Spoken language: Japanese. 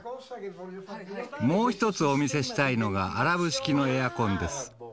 もう１つお見せしたいのがアラブ式のエアコンです。